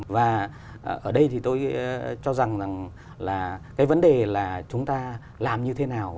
và ở đây thì tôi cho rằng là cái vấn đề là chúng ta làm như thế nào